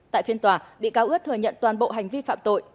tại phiên tòa bị cáo ướt thừa nhận toàn bộ hành vi phạm tội